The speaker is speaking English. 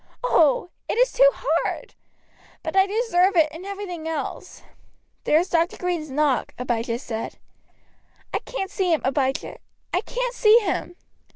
Oh! it is too hard! But I deserve it, and everything else." "There is Dr. Green's knock," Abijah said. "I can't see him, Abijah. I can't see him."